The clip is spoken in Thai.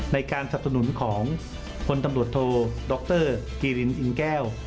ในการสนับสนุนของคนตำรวจโทรดรกีรินอิงแก้ว